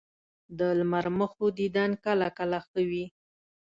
د لمر مخو دیدن کله کله ښه وي